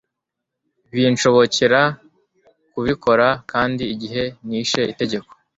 binshobokera kubikora Kandi igihe nishe itegeko